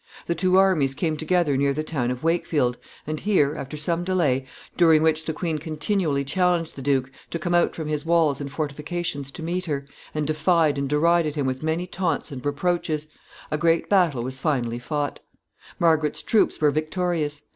The two armies came together near the town of Wakefield, and here, after some delay, during which the queen continually challenged the duke to come out from his walls and fortifications to meet her, and defied and derided him with many taunts and reproaches, a great battle was finally fought. Margaret's troops were victorious.